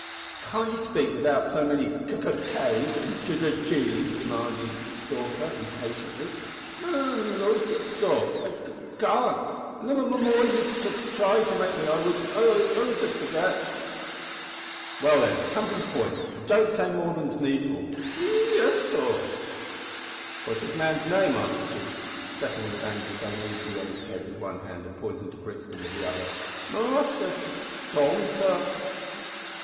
"Can't you speak without so many k k kays an' j j gees?" demanded Stalker, impatiently. "N n no, s sor, I c can't, an' the m more you t try to make me the w w wus I g gits." "Well, then, come to the point, an' don't say more than's needful." "Y y yis, sor." "What's this man's name!" asked the chief, settling the bandages uneasily on his head with one hand, and pointing to Brixton with the other. "M Muster T T Tom, sor."